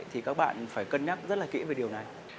thì các bạn phải cân nhắc rất là kỹ về điều này